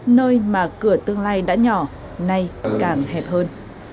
nơi mà cửa tương lai đã nhỏ nay càng hẹp hơn